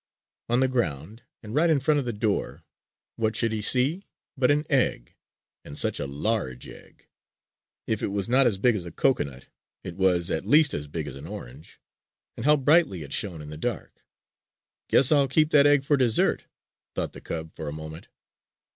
On the ground, and right in front of the door, what should he see but an egg? And such a large egg! If it was not as big as a cocoanut, it was at least as big as an orange! And how brightly it shone in the dark! "Guess I'll keep that egg for dessert," thought the cub for a moment.